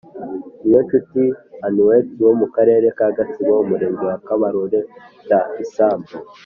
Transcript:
Niyonshuti annuite wo mukarere ka gatsibo umurenge wa kabarore cy isambu